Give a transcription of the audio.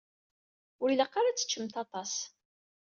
Ur ilaq ara ad teččemt aṭas.